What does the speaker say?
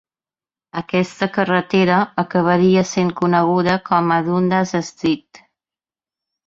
Aquesta carretera acabaria sent coneguda com a Dundas Street.